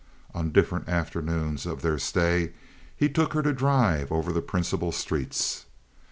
On different afternoons of their stay he took her to drive over the principal streets.